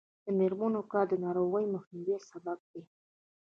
د میرمنو کار د ناروغیو مخنیوي سبب دی.